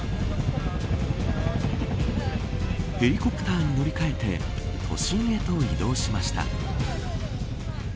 ヘリコプターに乗り換えて都心へと移動しました。